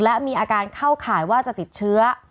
และมีอาการเข้าข่ายว่าจะติดเชื้อ